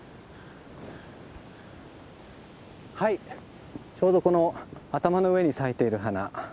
はいちょうどこの頭の上に咲いている花